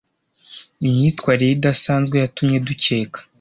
Imyitwarire ye idasanzwe yatumye dukeka.